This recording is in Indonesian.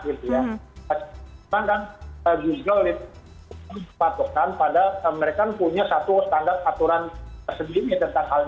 memang kan google itu sepatutnya mereka punya satu standar aturan tersebut tentang hal ini